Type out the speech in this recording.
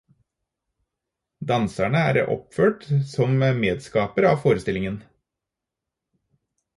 Danserne er oppført som medskapere av forestillingen.